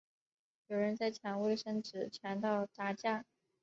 有人在抢卫生纸抢到打架